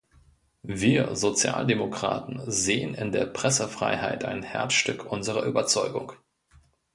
Wir Sozialdemokraten sehen in der Pressefreiheit ein Herzstück unserer Überzeugung.